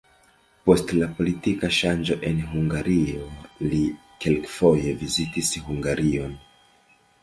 Post la politika ŝanĝo en Hungario li kelkfoje vizitis Hungarion.